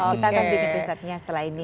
kita akan bikin risetnya setelah ini